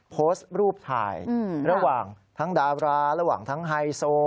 โพสต์รูปถ่ายระหว่างทั้งดาราระหว่างทั้งไฮโซ